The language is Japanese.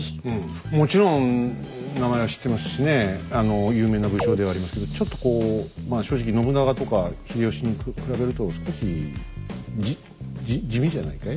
もちろん名前は知ってますしね有名な武将ではありますけどちょっとこうまあ正直信長とか秀吉に比べると少しじじ地味じゃないかい？